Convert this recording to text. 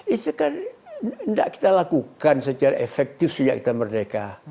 itu kan tidak kita lakukan secara efektif sejak kita merdeka